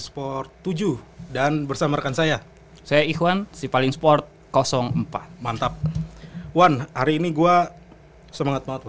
sport tujuh dan bersama rekan saya saya ikhwan si paling sport empat mantap one hari ini gue semangat banget gue